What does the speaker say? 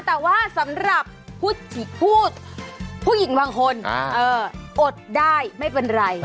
แต่ว่าสำหรับผู้หญิงบางคนอดได้ไม่เป็นไร